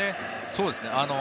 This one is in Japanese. そうですね。